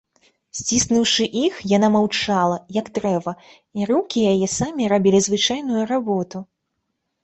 Сціснуўшы іх, яна маўчала, як дрэва, і рукі яе самі рабілі звычайную работу.